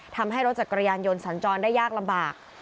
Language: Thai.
ทำให้รถจักรยานยนต์สัญจรได้ยากลำบาก